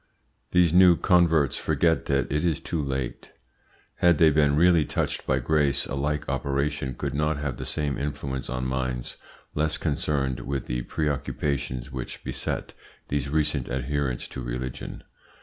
These new converts forget that it is too late. Had they been really touched by grace, a like operation could not have the same influence on minds less concerned with the preoccupations which beset these recent adherents to religion.